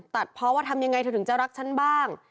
ตัดเพราะว่าทำยังไงเธอถึงจะรักฉันบ้าง